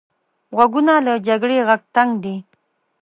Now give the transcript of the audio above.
غوږونه له جګړې غږ تنګ دي